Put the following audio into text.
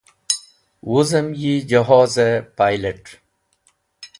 Wuzem yi Johoze ‘Pilot’.